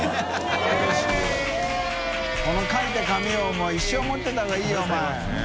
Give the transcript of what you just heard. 海僚颪い浸罎一生持ってた方がいいよお前。